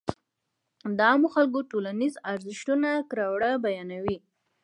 د عامو خلکو ټولنيز ارزښتونه ،کړه وړه بيان وي.